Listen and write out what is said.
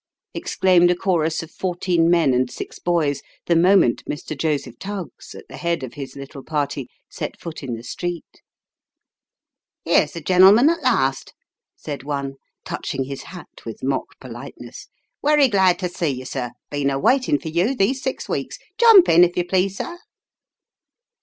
" exclaimed a chorus of fourteen men and six boys, the moment Mr. Joseph Tuggs, at the head of his little party, set foot in the street. " Here's the gen'lm'n at last !" said one, touching his hat with mock politeness. " Werry glad to see you, sir, been a waitin' for you these six weeks. Jump in, if you please, sir